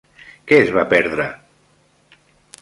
Què es va perdre?